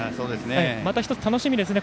また１つ楽しみですね